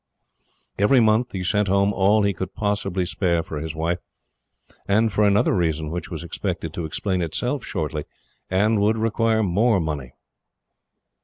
Every month he sent Home all he could possibly spare for his wife and for another reason which was expected to explain itself shortly and would require more money.